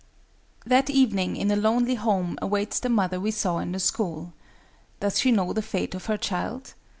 —That evening in a lonely home awaits the mother we saw in the school. Does she know the fate of her child?